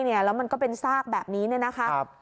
แล้วมันก็เป็นซากแบบนี้นะครับ